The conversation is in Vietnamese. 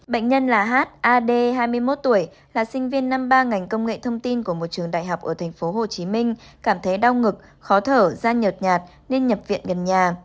bệnh nhân là had hai mươi một tuổi là sinh viên năm ba ngành công nghệ thông tin của một trường đại học ở tp hcm cảm thấy đau ngực khó thở da nhột nhạt nên nhập viện gần nhà